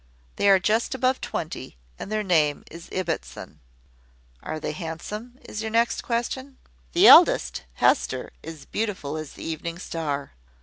They are just above twenty, and their name is Ibbotson. `Are they handsome?' is your next question. The eldest, Hester, is beautiful as the evening star.